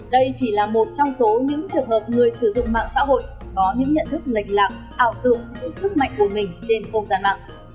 đây chỉ là một trong số những trường hợp người sử dụng mạng xã hội có những nhận thức lệch lạc ảo tưởng về sức mạnh của mình trên không gian mạng